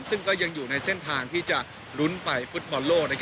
ซึ่งก็ยังอยู่ในเส้นทางที่จะลุ้นไปฟุตบอลโลก